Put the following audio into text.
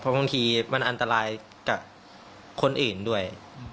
บางทีมันอันตรายกับคนอื่นด้วย